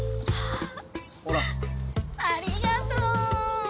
ありがとう！